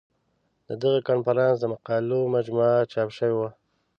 د دغه کنفرانس د مقالو مجموعه چاپ شوې وه.